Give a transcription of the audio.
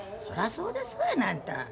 そらそうですがなあんた。